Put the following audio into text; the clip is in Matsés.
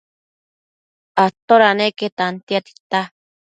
Atoda queque tantia tita